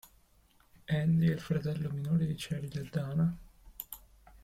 Andy è il fratello minore di Cheryl e Dana.